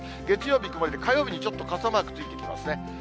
月曜日曇りで、火曜日にちょっと傘マークついてきますね。